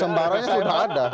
ya mbarayur tempatnya juga